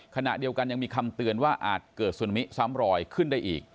ขณะเดียวกันยังมีคำเตือนว่าอาจเกิดสุมิซ้ำรอยขึ้นได้อีก